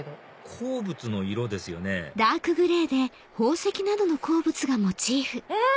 鉱物の色ですよねうん！